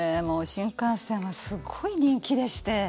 新幹線はすごい人気でして。